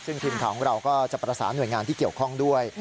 ซึ่งทีมข่าวของเราก็จะประสานหน่วยงานที่เกี่ยวข้องด้วย